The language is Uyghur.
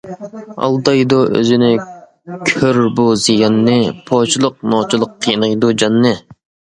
ئالدايدۇ ئۆزىنى، كۆر بۇ زىياننى، پوچىلىق- «نوچىلىق» قىينايدۇ جاننى.